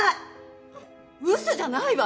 嘘じゃないわ！